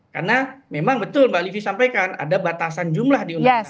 karena memang betul mbak livi sampaikan ada batasan jumlah di undang undang